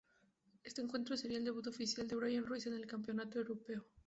Este encuentro sería el debut oficial de Bryan Ruiz en este campeonato europeo.